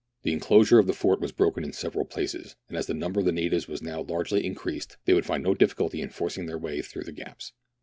The enclosure of the fort was broken in several places, and as the number of the natives was now largely increased they would find no difficulty in forcing their way through the gaps.